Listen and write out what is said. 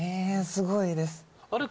すごいですあれ？